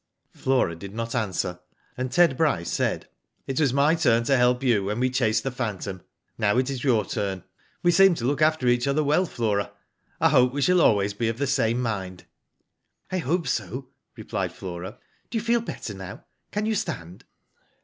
Flora did not answer, and Ted Bryce said :" It was my turn to help you when we chased the phantom. Now it is your turn. We seem to look after each other well. Flora. I hope we shall always be of the same mind." "I hope so," replied Flora. "Do you feci better now? Can you stand?"